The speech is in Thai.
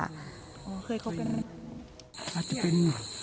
อาจจะเป็น